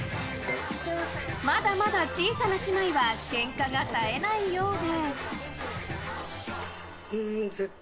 まだまだ小さな姉妹はけんかが絶えないようで。